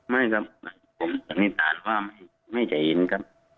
ไม่ครับผมสมมติว่าไม่จะยินครับ